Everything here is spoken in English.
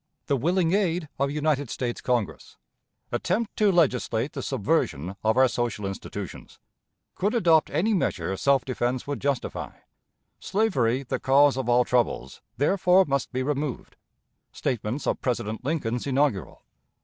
The Willing Aid of United States Congress. Attempt to legislate the Subversion of our Social Institutions. Could adopt any Measure Self Defense would justify. Slavery the Cause of all Troubles, therefore must be removed. Statements of President Lincoln's Inaugural.